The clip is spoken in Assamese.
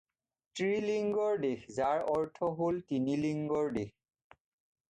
ত্ৰিলিংগ দেশ যাৰ অৰ্থ হ'ল তিনি লিংগৰ দেশ।